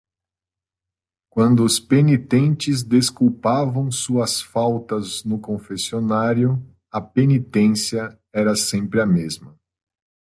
Quando os penitentes desculpavam suas faltas no confessionário, a penitência era sempre a mesma.